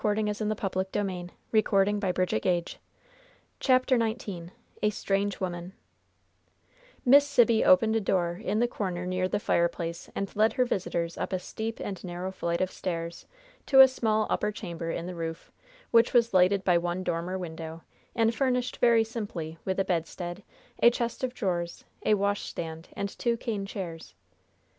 Lor', I sometimes s'picions as maybe she's Roland's mother!" CHAPTER XIX A STRANGE WOMAN Miss Sibby opened a door in the corner near the fireplace and led her visitors up a steep and narrow flight of stairs to a small upper chamber in the roof, which was lighted by one dormer window, and furnished very simply with a bedstead, a chest of drawers, a washstand, and two cane chairs.